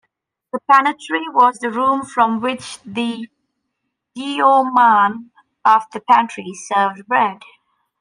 The "pannetry" was the room from which the yeoman of the pantry served bread.